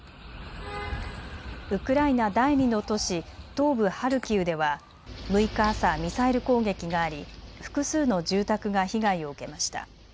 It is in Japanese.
ウクライナ第２の都市、東部ハルキウでは６日朝、ミサイル攻撃があり複数の住宅が被害を受けました。